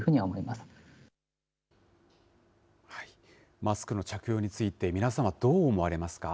マスクの着用について皆さんはどう思われますか。